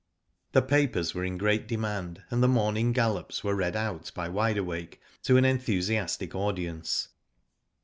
The papers were in great demand, and the morning gallops were read out by Wide Awake to an enthusiastic audience.